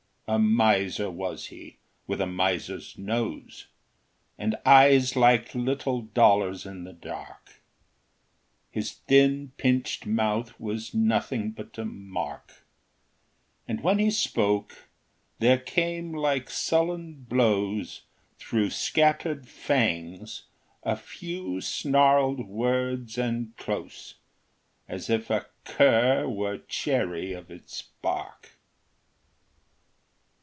A miser was he, with a miser's nose, And eyes like little dollars in the dark. His thin, pinched mouth was nothing but a mark; And when he spoke there came like sullen blows Through scattered fangs a few snarled words and close, As if a cur were chary of its bark.